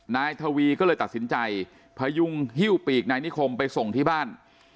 นายทวีก็เลยตัดสินใจพยุงฮิ้วปีกนายนิคมไปส่งที่บ้าน